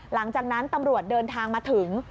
หลังจากนั้นตำรวจเดินทางมาถึง